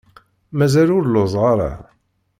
Mazal ur lluẓeɣ ara.